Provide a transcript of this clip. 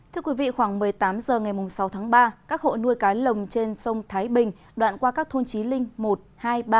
thưa quý vị khoảng một mươi tám h ngày sáu tháng ba các hộ nuôi cá lồng trên sông thái bình đoạn qua các thôn trí linh một hai ba